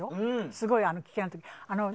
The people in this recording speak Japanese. すごい危険な時も。